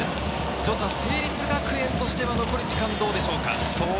城さん、成立学園としては残り時間、どうでしょうか？